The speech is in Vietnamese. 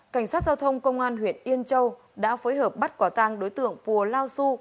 cảnh sát giao thông công an huyện yên châu đã phối hợp bắt quả tang đối tượng pùa lao su